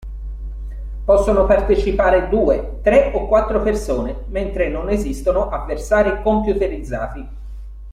Possono partecipare due, tre o quattro persone, mentre non esistono avversari computerizzati.